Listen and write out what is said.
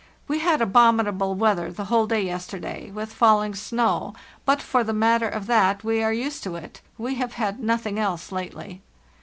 We had abominable weather the whole day yesterday, with falling snow, but for the matter of that we are used to it; we have had nothing else lately.